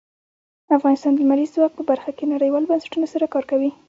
افغانستان د لمریز ځواک په برخه کې نړیوالو بنسټونو سره کار کوي.